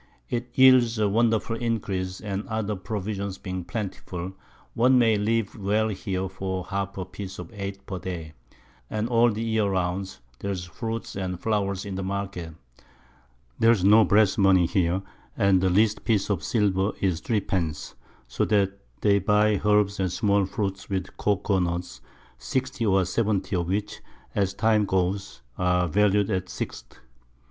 It yields a wonderful Increase, and other Provisions being plentiful, one may live well here for half a Piece of Eight per Day, and all the Year round there's Fruit and Flowers in the Market. There's no Brass Money here, and the least Piece of Silver is Three pence; so that they buy Herbs and small Fruit with Cocoa Nuts, 60 or 70 of which, as the Time goes, are valu'd at 6_d.